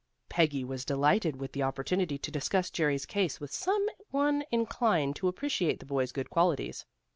Peggy was delighted with the opportunity to discuss Jerry's case with some one inclined to appreciate the boy's good qualities.